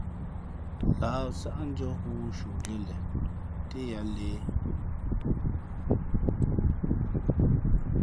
Lah sáʼndʉ̄ᾱ ghoo shundʉ̄ᾱ len tά yāā lēh.